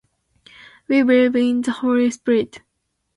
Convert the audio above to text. We believe in the holy spirit.